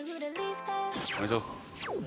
お願いします。